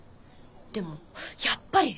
でもやっぱり変。